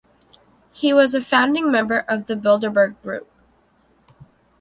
He was a founding member of the Bilderberg Group.